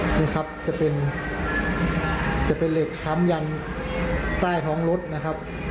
นี่ครับจะเป็นจะเป็นเหล็กช้ำยันใต้ท้องรถนะครับ